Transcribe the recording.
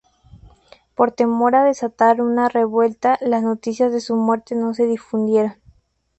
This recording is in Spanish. Por temor a desatar una revuelta, las noticias de su muerte no se difundieron.